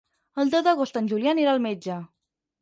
El deu d'agost en Julià anirà al metge.